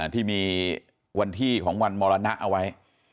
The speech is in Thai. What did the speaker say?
ที่มีวันที่ของวันมรณะเอาไว้